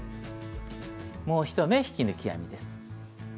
もう一目引き抜き編みです。